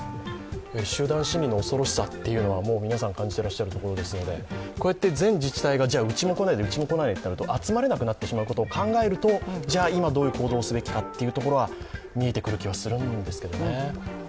集団心理の恐ろしさは皆さん感じていらっしゃるところですので、こうやって全自治体がうちに来ないでうちに来ないでって言うと集まれなくなってしまうことを考えると、じゃ、今、どういう行動をすべきかは見えてくる気はするんですけどね。